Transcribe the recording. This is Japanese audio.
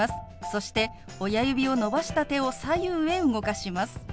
そして親指を伸ばした手を左右へ動かします。